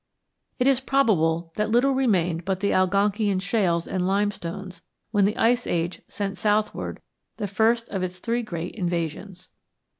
It is probable that little remained but the Algonkian shales and limestones when the Ice Age sent southward the first of its three great invasions.